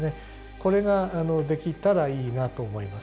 これができたらいいなと思います。